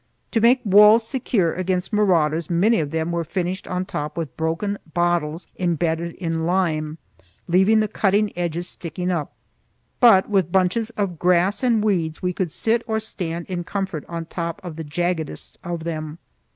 To make walls secure against marauders, many of them were finished on top with broken bottles imbedded in lime, leaving the cutting edges sticking up; but with bunches of grass and weeds we could sit or stand in comfort on top of the jaggedest of them.